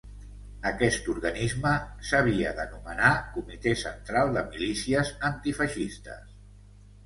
Aquest organisme s'havia d'anomenar Comitè Central de Milícies Antifeixistes.